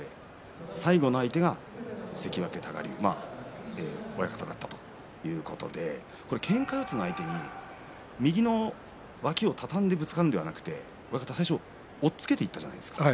最後の相手が関脇多賀竜親方だったということでけんか四つの相手に右の脇を畳んでぶつかるのではなくて最初押っつけていったじゃないですか